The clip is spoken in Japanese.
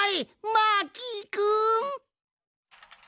マーキーくん！